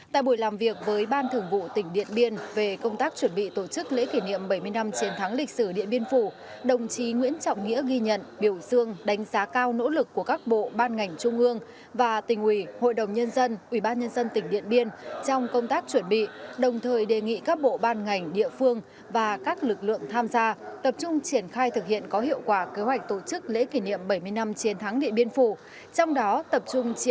tại buổi làm việc với ban thường vụ tỉnh điện biên về công tác chuẩn bị tổ chức lễ kỷ niệm bảy mươi năm chiến thắng lịch sử địa biên phủ đồng chí nguyễn trọng nghĩa ghi nhận biểu dương đánh giá cao nỗ lực của các bộ ban ngành trung ương và tỉnh ủy hội đồng nhân dân ủy ban nhân dân tỉnh điện biên trong công tác chuẩn bị đồng thời đề nghị các bộ ban ngành địa phương và các lực lượng tham gia tập trung triển khai thực hiện có hiệu quả kế hoạch tổ chức lễ kỷ niệm bảy mươi năm chiến thắng địa biên phủ trong đó tập